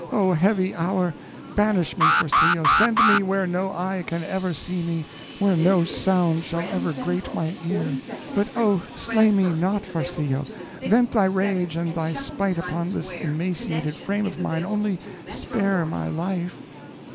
Oh, heavy hour! Banish me, Farcillo send me where no eye can ever see me, where no sound shall ever great my ear; but, oh, slay me not, Farcillo; vent thy rage and thy spite upon this emaciated frame of mine, only spare my life.